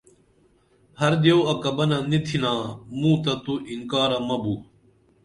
ہر دیو اکَبَنہ نی تِھنا موں تہ تو انکارہ مہ بو